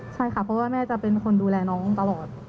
ใช่ค่ะเพราะว่าแม่จะเป็นคนดูแลน้องตลอด